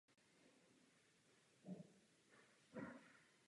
Oblast je také známá svou kuchyní.